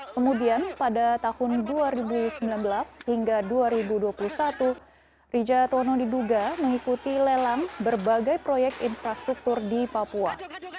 kemudian pada tahun dua ribu sembilan belas hingga dua ribu dua puluh satu rija tono diduga mengikuti lelang berbagai proyek infrastruktur di papua